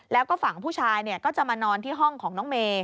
แล้วก็ฝั่งผู้ชายก็จะมานอนที่ห้องของน้องเมย์